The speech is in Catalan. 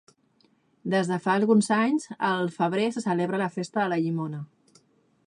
Des de fa alguns anys, al febrer se celebra la Festa de la llimona.